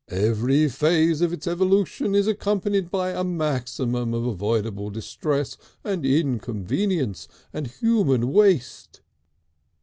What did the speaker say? Every phase of its evolution is accompanied by a maximum of avoidable distress and inconvenience and human waste....